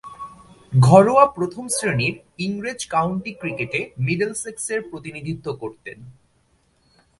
ঘরোয়া প্রথম-শ্রেণীর ইংরেজ কাউন্টি ক্রিকেটে মিডলসেক্সের প্রতিনিধিত্ব করতেন।